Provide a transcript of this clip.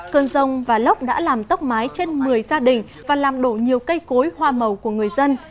cơn rông và lốc đã làm tốc mái trên một mươi gia đình và làm đổ nhiều cây cối hoa màu của người dân